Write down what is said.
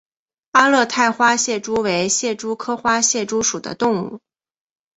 阿勒泰花蟹蛛为蟹蛛科花蟹蛛属的动物。